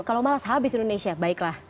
kalau malas habis di indonesia baiklah